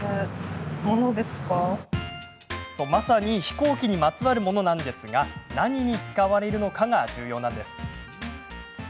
まさに飛行機にまつわるものなんですが何に使われるのかが重要なんです。